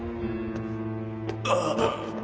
ああ！